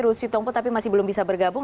ru situangpu tapi masih belum bisa bergabung